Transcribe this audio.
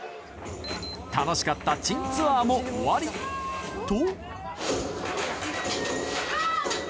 楽しかった珍ツアーも終わりと